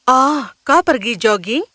oh kau pergi jogging